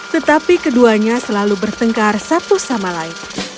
tetapi keduanya selalu bertengkar satu sama lain